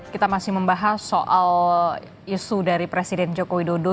kita masih membahas soal isu dari presiden joko widodo